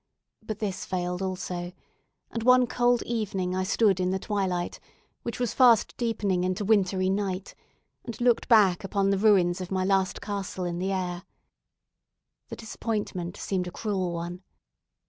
But this failed also, and one cold evening I stood in the twilight, which was fast deepening into wintry night, and looked back upon the ruins of my last castle in the air. The disappointment seemed a cruel one.